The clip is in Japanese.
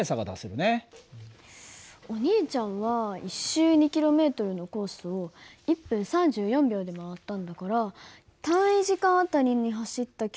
お兄ちゃんは１周２ｋｍのコースを１分３４秒で回ったんだから単位時間あたりに走った距離を計算すればいいんだよね。